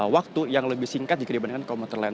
waktu yang lebih singkat jika dibandingkan komuter lain